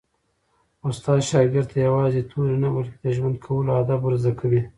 استاد شاګرد ته یوازې توري نه، بلکي د ژوند کولو آداب ور زده کوي.